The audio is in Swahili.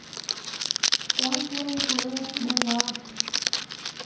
watu wenye kuelewa shida za watu